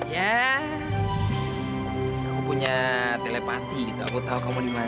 ya aku punya telepati gitu aku tau kamu dimana